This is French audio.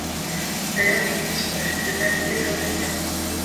D'ailleurs, l'Église refuse de valider leur union.